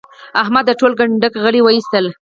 احمد د ټول کنډک غړي واېستل.